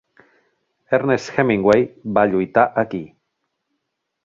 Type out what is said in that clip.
Ernest Hemingway va lluitar aquí.